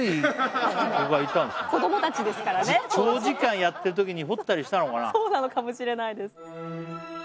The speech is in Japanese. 子供達ですからね長時間やってるときに彫ったりしたのかなそうなのかもしれないです